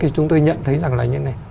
thì chúng tôi nhận thấy rằng là như thế này